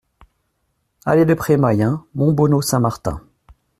Allée de Pré Mayen, Montbonnot-Saint-Martin